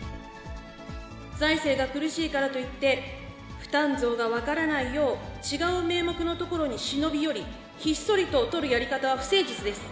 財政が苦しいからといって、負担増が分からないよう、違う名目のところに忍び寄り、ひっそりと取るやり方は不誠実です。